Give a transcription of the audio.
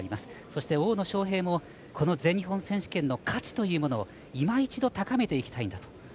そして大野将平もこの全日本選手権の価値というものをいま一度、高めていきたいんだと。